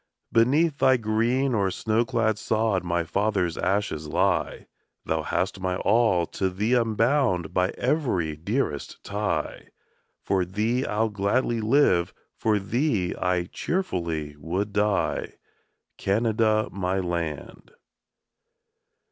Beneath thy green or snow clad sod My fathers' ashes lie; Thou hast my all, to thee I'm bound By every dearest tie; For thee I'll gladly live, for thee I cheerfully would die, Canada, my land.